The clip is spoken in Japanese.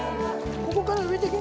ここから植えてけ